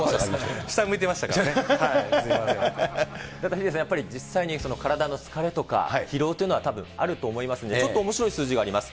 やっぱりヒデさん、実際に体の疲れとか、疲労というのはたぶん、あると思いますので、ちょっとおもしろい数字があります。